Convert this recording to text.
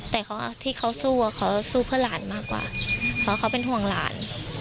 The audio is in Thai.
แต่ที่เขาสู้เขาสู้เพื่อหลานมากกว่าเพราะเขาเป็นห่วงหลาน